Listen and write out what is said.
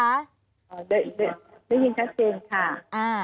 ได้ยินได้ยินชัดเจนค่ะ